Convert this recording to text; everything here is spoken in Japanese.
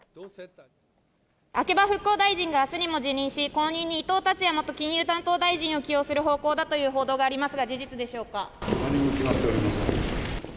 秋葉復興大臣があすにも辞任し、後任に伊藤達也元金融担当大臣を起用する方向だという報道があり何も決まっておりません。